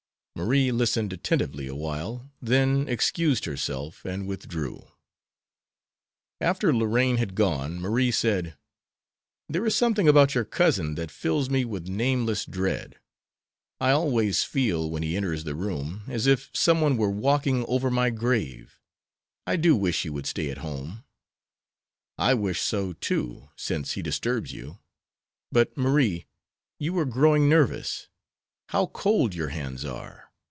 Marie listened attentively awhile, then excused herself and withdrew. After Lorraine had gone Marie said: "There is something about your cousin that fills me with nameless dread. I always feel when he enters the room as if some one were walking over my grave. I do wish he would stay at home." "I wish so, too, since he disturbs you. But, Marie, you are growing nervous. How cold your hands are.